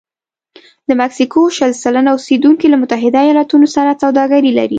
د مکسیکو شل سلنه اوسېدونکي له متحده ایالتونو سره سوداګري لري.